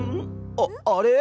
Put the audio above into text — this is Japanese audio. あっあれ？